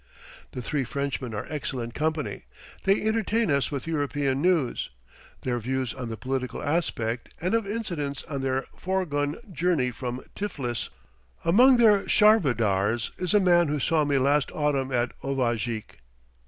The three Frenchmen are excellent company; they entertain us with European news, their views on the political aspect, and of incidents on their fourgon journey from Tiflis. Among their charvadars is a man who saw me last autumn at Ovahjik.